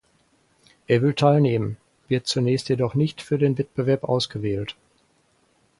Er will teilnehmen, wird zunächst jedoch nicht für den Wettbewerb ausgewählt.